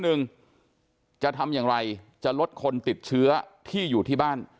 หนึ่งจะทำอย่างไรจะลดคนติดเชื้อที่อยู่ที่บ้าน